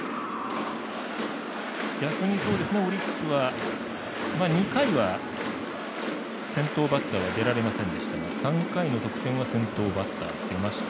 逆にオリックスは２回は先頭バッターは出られませんでしたが３回の得点は先頭バッター出ました。